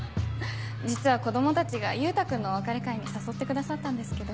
実は子供たちが優太君のお別れ会に誘ってくださったんですけど。